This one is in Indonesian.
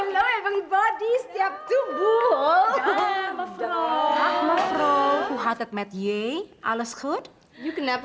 tidak boleh telat pak